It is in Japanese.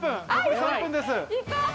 ３分です！